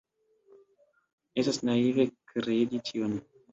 Estas naive kredi tion.